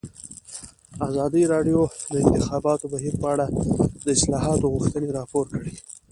ازادي راډیو د د انتخاباتو بهیر په اړه د اصلاحاتو غوښتنې راپور کړې.